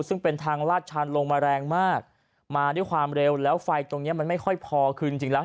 ซึ่งเป็นทางลาดชันลงมาแรงมากมาด้วยความเร็วแล้วไฟตรงเนี้ยมันไม่ค่อยพอคือจริงจริงแล้ว